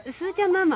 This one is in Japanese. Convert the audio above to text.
ママ。